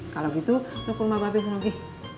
kalau gitu lu ke rumah babe seneng lagi